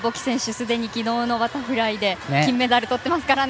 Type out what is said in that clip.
すでに昨日のバタフライで金メダルとってますからね。